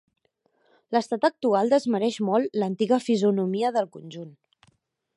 L'estat actual desmereix molt l'antiga fisonomia del conjunt.